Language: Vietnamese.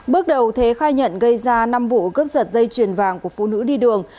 bước đầu thế khai nhận gây ra năm vụ cướp giật dây chuyền vàng của phụ nữ đi đường